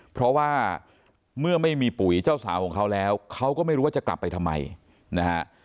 เพราะว่าเมื่อไม่มีปุ๋ยเจ้าสาวของเขาแล้วเขาก็ไม่รู้ว่าจะกลับไปทำไมนะฮะ